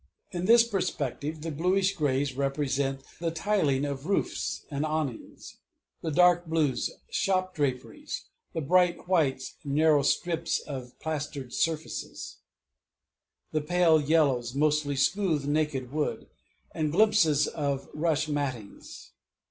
In this perspective the bluish greys represent the tiling of roofs and awnings; the dark blues, shop draperies; the bright whites, narrow strips of plastered surface; the pale yellows, mostly smooth naked wood, and glimpses of rush mattings.